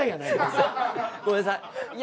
ごめんなさい。